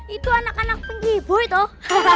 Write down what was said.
itu anak anak pinky boy tuh